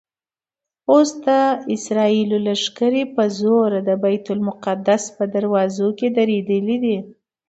اوس د اسرائیلو لښکرې په زوره د بیت المقدس په دروازو کې درېدلي دي.